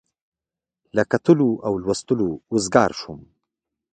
له کتلو او لوستلو وزګار شوم.